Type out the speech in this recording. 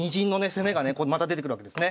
攻めがねまた出てくるわけですね。